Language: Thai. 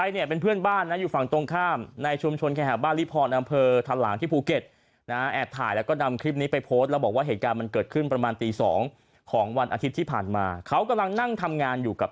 เฮ้ยบุหร่ายรถน่ะนะมึง